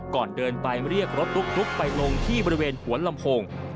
ก่อนเดินไปเรียกรถตุ๊กไปลงที่บริเวณหัวลำโพง